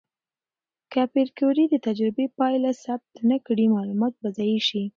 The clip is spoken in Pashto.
که پېیر کوري د تجربې پایله ثبت نه کړي، معلومات به ضایع شي.